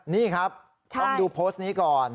นี่ครับต้องดูโพสต์นี้ก่อน